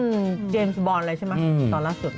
เขาเล่นเจมส์บอลอะไรใช่ไหมตอนล่าสุด